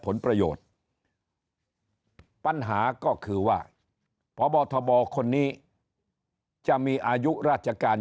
ผลประโยชน์ปัญหาก็คือว่าพบทบคนนี้จะมีอายุราชการ